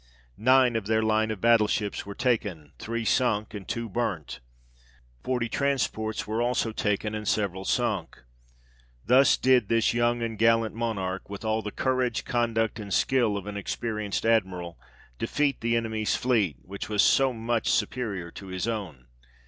Nine of their line of battle ships were taken, three sunk, and two burnt ; forty transports were also taken, and several sunk. Thus did this young and gallant Monarch, with all the courage, conduct, and skill of an experienced Admiral, defeat the enemy's fleet, which , was so much superior to his own.